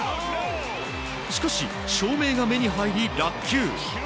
しかし、照明が目に入り落球。